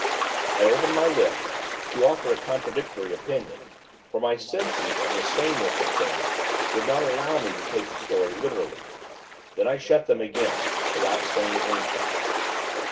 I opened my lips, to offer a contradictory opinion; for my sense of the saneness of things, would not allow me to take the story literally; then I shut them again, without saying anything.